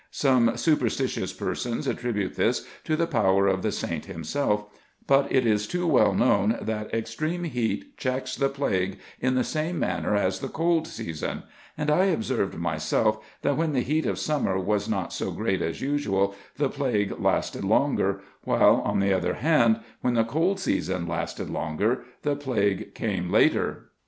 Some superstitious persons attribute this to the power of the saint himself; but it is too well known, that extreme heat checks the plague in the same manner as the cold season ; B 2 RESEARCHES AND OPERATIONS and I observed myself, that when the heat of summer was not so great as usual, the plague lasted longer ; while, on the other hand, when the cold season lasted longer, the plague came later.